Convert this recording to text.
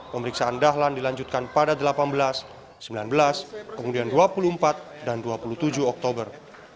pemeriksaan dahlan dilanjutkan pada delapan belas sembilan belas kemudian dua puluh empat dan dua puluh tujuh oktober